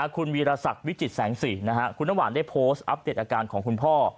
คุณวีรศักดิ์วิจิตแสงสีนะฮะคุณน้ำหวานได้โพสต์อัปเดตอาการของคุณพ่อ